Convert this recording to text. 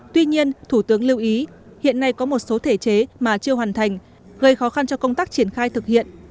tuy nhiên thủ tướng lưu ý hiện nay có một số thể chế mà chưa hoàn thành gây khó khăn cho công tác triển khai thực hiện